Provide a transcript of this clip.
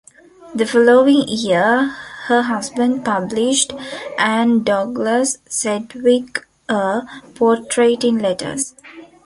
The following year her husband published "Anne Douglas Sedgwick: A Portrait in Letters".